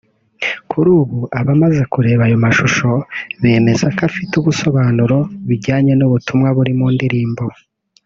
Kuri ubu abamaze kureba ayo mashusho bemeza ko afite ubusobanuro bijyanye n’ubutumwa buri mu ndirimbo